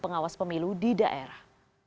pengawas pemilu di daerah